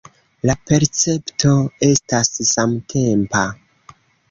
La percepto estas samtempa.